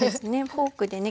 フォークでね